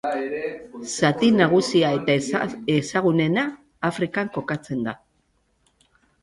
Zati nagusia eta ezagunena, Afrikan kokatzen da.